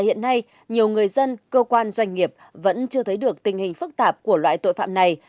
hiện nay nhiều người dân cơ quan doanh nghiệp vẫn chưa thấy được tình hình phức tạp của loại tội phạm này